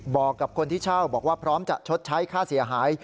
บอกกับคนที่เช่าบอกว่าพร้อมจะชดใช้ค่าเสียหาย